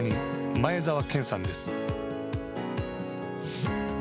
前沢賢さんです。